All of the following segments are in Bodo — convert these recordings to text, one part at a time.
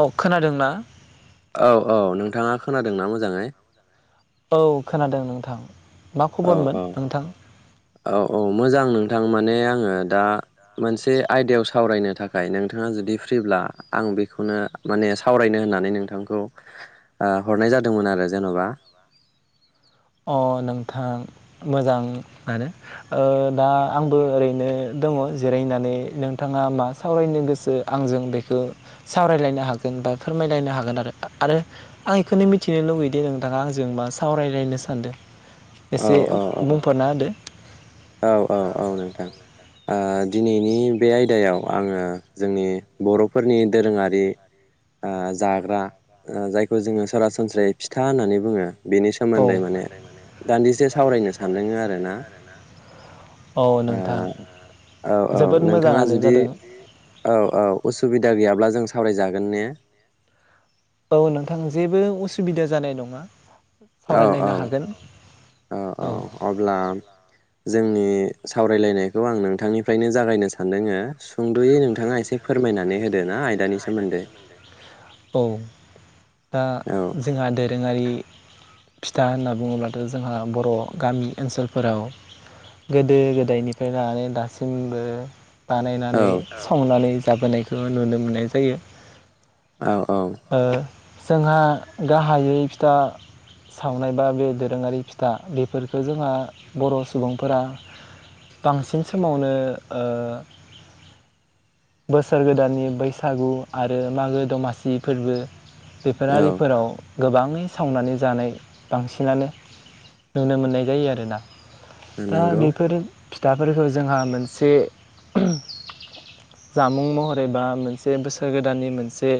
औ खोनादोंना औ औ नोंथांङा खोनादोंना मोजांङै औ खोनादों नोंथां मा औ खबरमोन औ नोंथां औ औ मोजां नोंथां माने आंङो दा मोनसे आयदायाव सावरायनो थाखाय नोंथांङा जुदि फ्रिब्ला आं बेखौनो माने सावरायनो होननानै नोंथांखौ ओ हरनाय जादोंमोन आरो जेनबा। अ नोंथां मोजां आरो ओ दा आंबो ओरैनो दङो जिरायनानै नोंथांङा मा सावरायनो गोसो आंजों बेखो सावरायलायनो हागोन बा फोरमायलायनो हागोन आरो आरो आं बेखौनो मिथिनो लुगैदि नोंथांङा आंजों मा सावरायलायनो सान्दों औ एसे औ बुंफोरना होदो औ औ औ नोंथां ओ दिनैनि बे आयदायाव आङो जोंनि बरफोरनि दोरोंङारि जाग्रा जायखौ जोङो सरासनस्रायै फिथा होननानै बुङो। बेनि औ सोमोन्दै माने दान्दिसे सावरायनो सानदों आरो ना। औ ओ नोंथां औ औ जोबोद नोंथांङा मोजाङानो जुदि जादों औ औ असु दा गैयाब्ला जों सावरायजागोन ने। औ नोंथां जेबो उसुबिदा जानाय नङा औ औ सावरायलायनो हागोन औ औ अब्ला जों नि सावरायलायनायखौ आं नोंथांनिफ्रायनो जागायनो सानदोंङो सुंदयै नोंथांङा एसे फोरमायनानै होदो ना आयदानि सोमोन्दै। औ दा औ जोंहा दोरोंङारि। फिथा होनना बुङोब्लाथ जोंहा बर गामि ओनसोलफोराव गोदो गोदायनिफ्राय लानानै दासिमबो। औ बानायनानै संनानै जाबोनायखौ नुनो मोननाय जायो। औ औ ओ जोंहा गाहायै फिथा सावनाय बा बे दोरोंङारि फिथा बेफोरखौ जोंहा बर सुबुंफोरा बांसिन समावनो बोसोर गोदाननि बैसागु आरो मागो दमासि। नि फोरबो औ बेफोरारिफोराव गोबांङै सावनानै जानाय बांसिनानो नुनो मोननाय जायो आरोना। दा नंगौ बेफोरो फिद दाफोरखौ जोंहा मोनसे जामुं महरै बा मोनसे बोसोर गोदाननि मोनसे।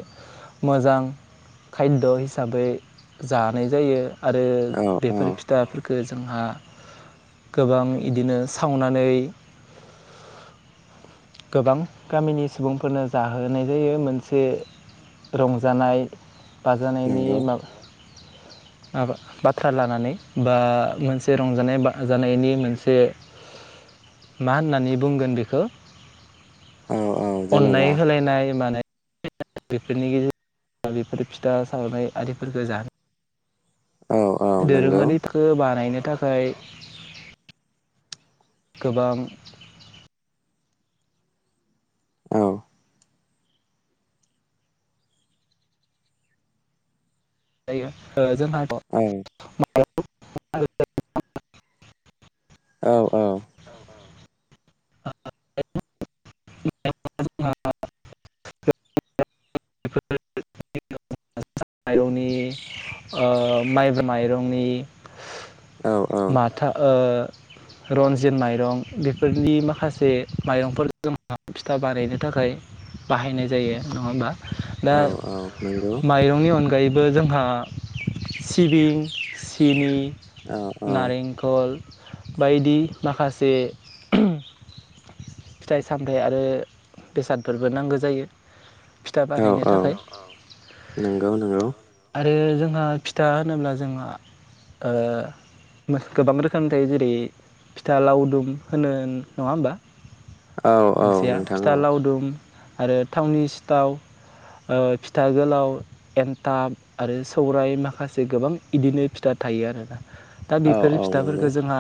मोजां खायद हिसाबै जानाय जायो आरो औ औ बेफोर फिथा गो जोंहा गोबां इदिनो सावनानै गोबां गामिनि सुबुंफोरनो जाहोनाय जायो मोनसे। रंजानाय बाजानायनि नंगौ माबा माबख बाथ्रा लानानै बा मोनसे रंजानाय बाजानायनि मोनसे मा होननानै बुंगोन बेखो। औ औ अननाय जेन'बा होलायनाय माने बेफोरनि गेजेरजों बेफोर फिथा सावनाय आरिफोरखौ जानो औ औ नंगौ दोरोङारिखौ बानायनो थाखाय गोबां औ जाय औ [unintelligible] [unintelligible] औ औ [unintelligible] [unintelligible] [unintelligible] ओ माइरंनि माइब माइरंनि औ माथा ओ रनजित माइरं बेफोरनि माखासे माइरंफोर जों फिथा बानायनो थाखाय बाहायनाय जायो नङाहोनबा औ दा औ नंगौ माइरंनि अनगायै बो जोंहा सिबिं सिनि औ नारेंखल बायदि माखासे फिथाइ सामथाइ आरो बेसादफोरबो नांगौ जायो फिथा औ बानायनो औ थाखाय नंगौ नंगौ आरो जोंहा फिथा होनोब्ला जोंहा ओ गोबां रोखोमनि थायो जेरै फिथा लावदुम होनो नङा होमबा औ औ मोनसेया नोंथां फिथा औ लावदुम आरो थटावनि थाव फिथा गोलाव एन्थाब आरो सौरायाइ माखासे गोबां बिदिनो फिथा थायो आरोना दा औ बेफोर औ नंगौ फिथाफोरखौ जोंहा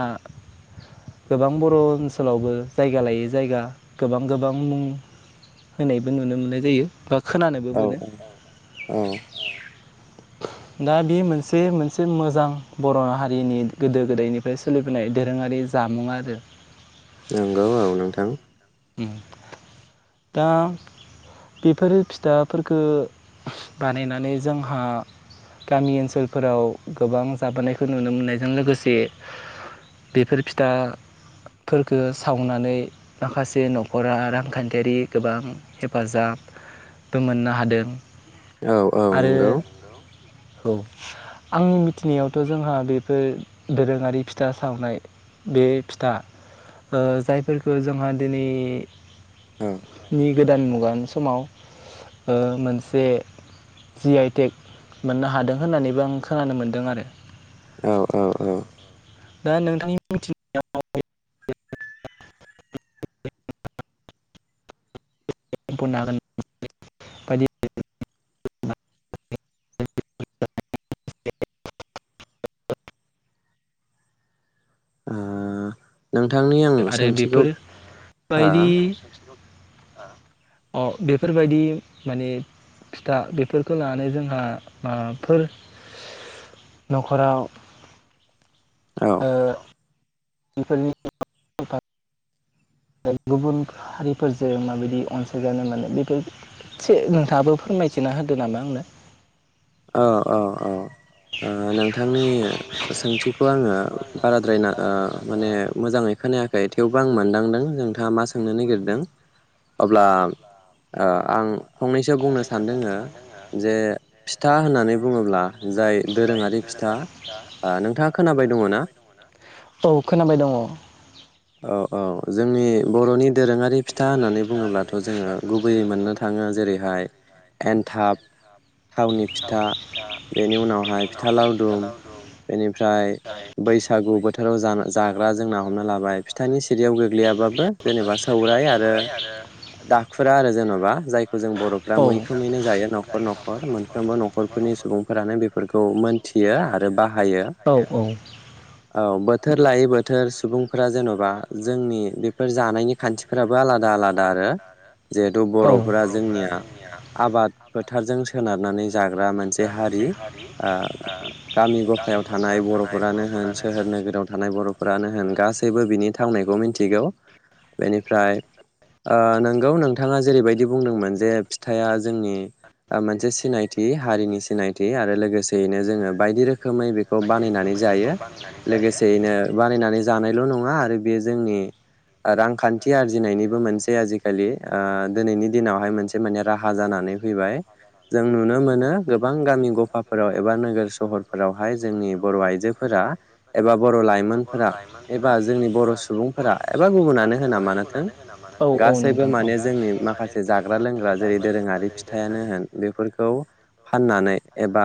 गोबां बर ओनसोलावबो जायगा लायै जायगा गोबां गोबां मुं होनायबो नुनो मोनो जायो खोनानोबो मोनो औ औ औ औ दा बे मोनसे मोनसे मोजां बर हारिनि गोदो गोदायनिफ्राय सोलिबोनाय दोरोङारि जामुं आरो नंगौ औ नोंथां उम दा बेफोर फिथाफोरफोरखौ बानायनानै जोंहा गामि ओनसोलफोराव गोबां जाबोनायखौ नुनो मोननायजों लोगोसे बेफोर फिथाफोरफोरखौ सावनानै माखासे जे न खरा रांखान्थियारि गोबां हेफाजाबबो मोननो हादों औ औ आरो नंगौ औ आंनि मिथिनायावथ जोंहा बेफोर दोरोङारि फिथा सावनाय बे फिथा जायफोरखौ जोंहा दिनै औ नि गोदान मुगानि समाव ओ मोनसे जि आइ टेक मोननो हादों होननानैबो आं खोनानो मोनदों आरो औ औ औ दा नोंथांनि [unintelligible] [unintelligible] अ नोंथांनि आं आरो सोंथिखौ ह बेफोरबायदि अ बेफोरबायदि माने फिथा बेफोरखौ लानानै जोंहा माबाफोर न'खराव औ ओ बेफोरनि आरो गुबुन हारिफोरजों माबायदि अनसायजानो माने बेफोर एसे नोंथाङाबो फोरमायथिना होदो नामा आंनो औ औ औ नोंथांनि सोंथिखौ आङो बाराद्रायना माने मोजाङै खोनायाखै थेवबो आं मोनदांदों नोंथाङा मा सोंनो नागिरदों अब्ला आं फंनैसो बुंनो सानदों जे फिथा होननानै बुङोब्ला जाय दोरोङारि फिसा नोंथाङा खोनाबाय दङ ना औ खोनाबाय दङ औ औ जोंनि बर'नि दोरोङारि फिथा होननानै बुङोब्लाथ' जोङो गुबैयै मोननो थाङो जेरैहाय एन्थाब थावनि फिथा बेनि उनावहाय फिथा लावदुम बेनिफ्राय बैसाग बैसागु बोथोराव ज जाग्रा जोंना हमना लाबाय फिथानि सिरियाव गोग्लैयाबाबो जेनेबा सौराय आरो दाखुरा आरो जेन'बा जायखौ जों बर'फ्रा औ मैखोमैनो जायो न'खर न'खर मोनफ्रोमबो न'खरफोरनि सुबुंफोरानो बेफोरखौ मोनथियो आरो बाहायो जिहेथु औ बोथोर लायै बोथोर सुबुंफोरा जेन'बा जोंनि बेफोर जानायनि खान्थि फोराबो आलादा आलादा आरो जिहेथु बर'फोरा जोंनिया आबाद फोथारजों सोनारनानै जाग्रा मोनसे हारि गामि गफायाव थानाय बर'फोरानो होन सोहोर नोगोराव थानाय बर'फोरानो होन गासैबो बिनि थाखाय थांनायखौ मिथिगौ बेनिफ्राय नोंगौ नोंथाङा जेरैबायदि बुंदोंमोन जे फिथाइया जोंनि मोनसे सिनायथि हारिनि सिनायथि आरो लोगोसे नो जोङो बायदि रोखोमै बेखौ बानायनानै जायो लोगोसेयैनो बानायनानै जानायल' नङा आरो बे जोंनि रांखान्थि आरजिनायनिबो मोनसे आजिखालि दिनैनि दिनावहाय मोनसे माने राहा जानानै फैबाय जों नुनो मोनो गोबां गामि गफाफोराव एबा नोगोर सहरफोरावहाय जोंनि बर' आइजोफोरा एबा बर' लाइमोनफोरा एबा जोंनि बर' सुबुंफोरा एबा गुबुनानो होना मानोथों गासैबो मानो माने जोंनि माखासे जाग्रा लोंग्रा जेरै दोरोङारि फिथाइआनो होन बेफोरखौ फाननानै एबा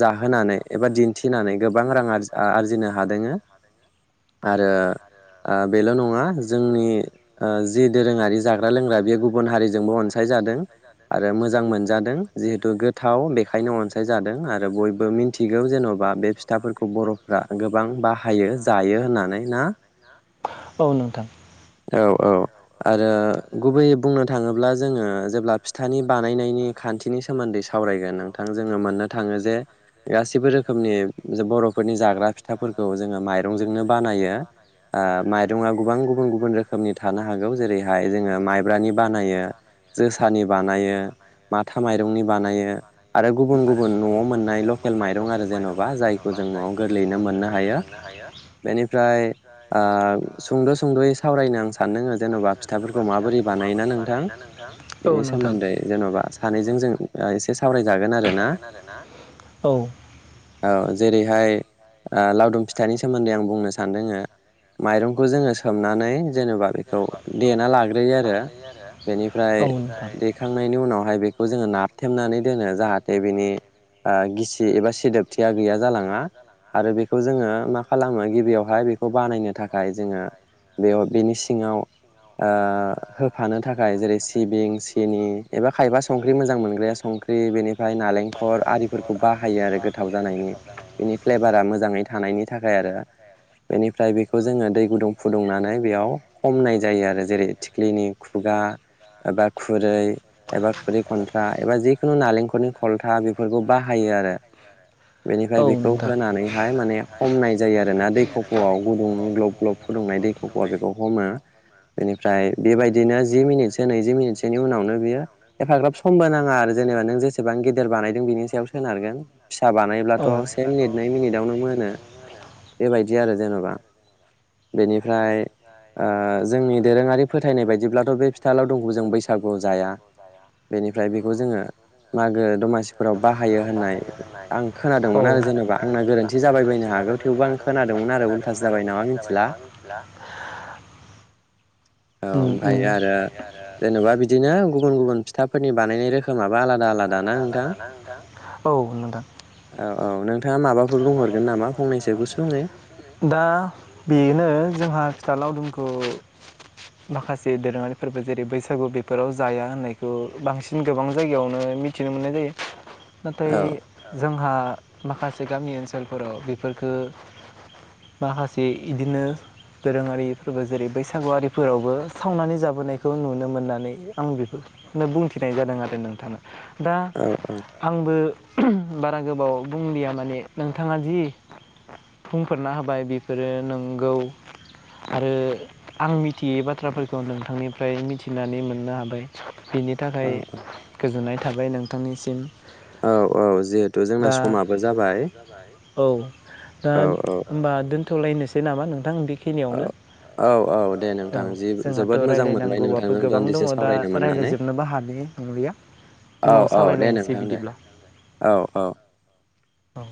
जाहोनानै एबा दिन्थिनानै गोबां रां आर आरजिनो हादों आरो बेल नङ नङा जोंनि जि दोरोङारि जाग्रा-लोंग्रा बेयो गुबुन हारिजोंबो अनसायजादों आरो मोजां मोनजादों जिहेथु गोथाव बेखायनो अनसायजादों आरो बयबो मिन्थिगौ जेन'बा बे फिथाफोरखौ बर'फ्रा गोबां बाहायो जायो होननानै ना औ नों औ औ आरो गुबैयै बुंनो थाङोब्ला जोङो जेब्ला फिथानि बानायनायनि खान्थिनि सोमोन्दै सावरायगोन नोंथां जोङो मोननो थाङो जे गासिबो रोखोमनि बर'फोरनि जाग्रा फिथाफोरखौ जोङो माइरंजोंनो बानायो माइरङा गोबां गुब गुबुन रोखोमनि थानो हागौ जेरैहाय जोङो माइब्रानि बानायो जोसानि बानायो माथा माइरंनि बानायो आरो गुबुन गुबुन न'आव मोननाय लकेल माइरं आरो जेन'बा जायखौ जों न'आव गोरलैयैनो मोननो हायो बेनिफ्राय आ सुंद' सुंद'यै सावरायनो आं सानदङो जेन'बा फिथाफोरखौ माबोरै बानायोना नोंथां औ बेनि नोंथां सोमोन्दै जेन'बा सानैजों जों एसे सावरायजागोन आरो ना औ औ जेरैहाय आ लावदुम फिथाइनि सोमोन्दै आं बुंनो सानदोंनो माइरंखौ जोङो सोमनानै जेनेबा बेखौ देना लाग्रोयो आरो बेनिफ्राय औ नोंथां देखांनायनि उनावहाय बेखौ जोङो नाथेमनानै दोनो जाहाथे बिनि आं गिसि एबा सिदोबथिया गैया जालाङा आरो बेखौ जोङो मा खालामो गिबियावहाय बेखौ बानायनो थाखाय जोङो बिनि सिंआव ओ होफानो थाखाय जेरै सिबिं सिनि एबा खायबा संख्रि मोजां मोनग्राया संख्रि बेनिफ्राय नालेंखर आरि खौ बाहायो आरो गोथाव जानायनि बेनि फ्लेभारा मोजाङै थानायनि थाखाय आरो बेनिफ्राय बेखौ जोङो दै गुदुं फुदुंनानै बेयाव हमनाय जायो आरो जेरै थिख्लिनि खुगा एबा खुरै एबा खुरै खन्थ्रा एबा जिखुनु नालेंखलनि खलथा बेफार बाहायो आरो बेनिफ्राय औ बेखौ नोंथां होनानैहाय माने हमनाय जायो आरो ना दैखफ'आव गुदुंनि ग्लब ग्लब फुदुंनाय दै खफ'वाव बेखौ हमो बेनिफ्राय बेबायदिनो जि मिनिटसो नैजि मिनिटसोनि उनावनो बियो एफाग्राब समबो नाङा आरो जेनेबा नों जेसेबां गेदेर बानायदों सोनारगोन फिसा बानायब्लाथ' से मिनिट नै मिनिटआवनो मोनो बेबायदि आरो जेनेबा बेनि ओमफ्राय ओ जोंनि दोरोङारि फोथायनाय बायदिब्लाथ' बे फिथा लावदुमखौ जों बैसागुआव जाया बेनिफ्राय बेखौ जोङो मागो दमासिफोराव बाहायो होननाय आं खोनादोंमोन आरो जेन'बा आंना गोरोन्थि जाबाय बायनो हागौ थेवबो आं खोनादोंमोन आरो उल्थासो जाबाय नामा मिथिला। औ ओमफ्रायायो आरो ओमफ्राय जेनेबा बिदिनो गुबुन गुबुन फिथाफोरनि बानायनाय रोखोमाबो आलादा आलादा ना नोंथां औ नोंथां औ- औ नोंथाङा माबाफोर बुंहरगोन नामा फंनैसो गुसुंयै दा बेनो जोंहा फिथा लावदुमखौ माखासे दोरोङारि फोरबो जेरै बैसागु बेफोराव जाया होननायखौ बांसिन गोबां जायगायावनो मिथिनो मोननाय जायो। नाथाय औ जोंहा माखासे बे गामि ओनसोलफोराव बेफोरफोरखो माखासे इदिनो दोरोङारिफोरबो जेरै बैसागुआरिफोरावबो सावनानै जाबोनायखौ नुनो मोननानै आं बेफोरखोनो बुंथिनाय जादों आरो नोंथाङा दा औ औ आंबो बारा गोबाव बुंलिया माने नोंथाङा जि बुंफोरना होबाय बेफोरो नंगौ। आरो आं मिथियै बाथ्राफोरखौ नोंथांनिफ्राय मिथिनानै मोननो हाबाय। बिनि थाखाय गोजोननाय थाबाय नोंथांनिसिम। औ औ जिहेथु जोंना दा समाबो जाबाय औ औ थ'लायनोसै नामा नों बिथां औ खिनियावनो औ दे औ नोंथां औ जि जोंहाथ' जोबोद मोजां मोनबाय रायज्लायनांगौआबो नोंथांजों गोबां दान्दिसे दङ दा सावरायनो मोननानै रायज्लायजोबनोबो हानो नंलिया औ उनाव औ दे सावरायलायनोसै नोंथां दे बिदिब्ला औ औ औ।